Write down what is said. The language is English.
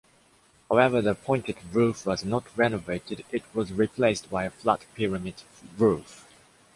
However, the pointed roof was not renovated, it was replaced by a flat pyramid roof.